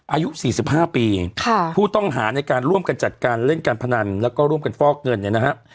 อายุ๔๕ปีผู้ต้องหาในการร่วมกันจัดการเล่นการพนันแล้วก็ร่วมกันฟอกเงินเนี่ยนะฮะ